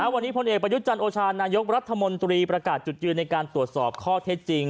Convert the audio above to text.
วันนี้พลเอกประยุทธ์จันทร์โอชานายกรัฐมนตรีประกาศจุดยืนในการตรวจสอบข้อเท็จจริง